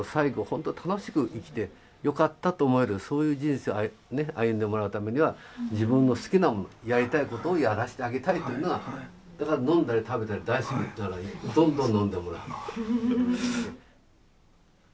ほんと楽しく生きてよかったと思えるそういう人生を歩んでもらうためには自分の好きなものやりたいことをやらせてあげたいというのはだから飲んだり食べたり大好きだったらどんどん飲んでもらう。